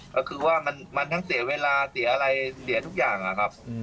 ก็คือว่ามันทั้งเสียเวลาเสียอะไรเสียทุกอย่างนะครับ